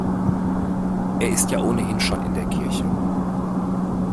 Er ist ja ohnehin schon in der Kirche.